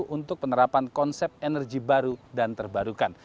untuk penerapan konsep energi baru dan terbarukan